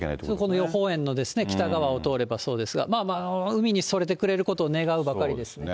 この予報円の北側を通ればそうですが、海にそれてくれることを願うばかりですね。